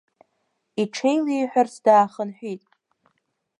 Иҽеилеиҳәарц даахынҳәит.